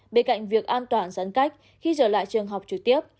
bên cạnh việc an toàn giãn cách khi trở lại trường học trực tiếp